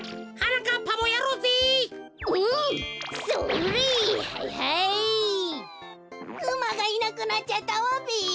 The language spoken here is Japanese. うまがいなくなっちゃったわべ。